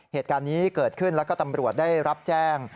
เหตุการณ์นี้เกิดขึ้นแล้วก็ตำรวจได้รับแจ้ง